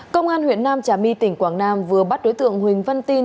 công an huyện nam trà my tỉnh quảng nam vừa bắt đối tượng huỳnh văn tin